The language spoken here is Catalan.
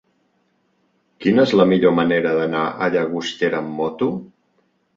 Quina és la millor manera d'anar a Llagostera amb moto?